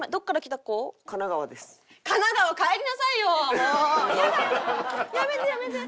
もう嫌だやめてやめて！